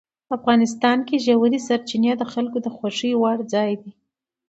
افغانستان کې ژورې سرچینې د خلکو د خوښې وړ ځای دی.